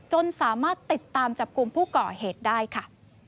จนสามารถติดตามจับกลุ่มผู้ก่อเหตุได้ค่ะ